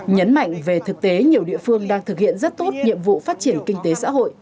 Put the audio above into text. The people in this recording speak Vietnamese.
nhấn mạnh về thực tế nhiều địa phương đang thực hiện rất tốt nhiệm vụ phát triển kinh tế xã hội